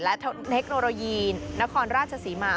และเทคโนโลยีนครราชศรีมา